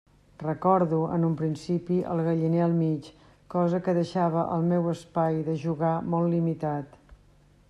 Recordo en un principi el galliner al mig, cosa que deixava el meu espai de jugar molt limitat.